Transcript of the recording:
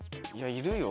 いるよ